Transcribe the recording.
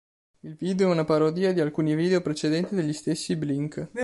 Il video è una parodia di alcuni video precedenti degli stessi blink.